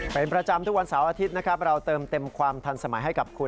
เป็นประจำทุกวันเสาร์อาทิตย์นะครับเราเติมเต็มความทันสมัยให้กับคุณ